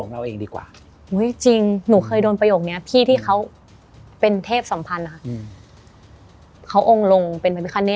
เค้าพูดแบบนี้นะ